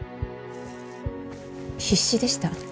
必死でした。